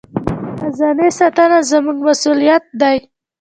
د دې خزانې ساتنه زموږ مسوولیت دی.